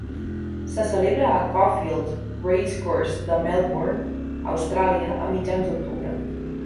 Se celebra a Caulfield Racecourse de Melbourne (Austràlia) a mitjans d'octubre.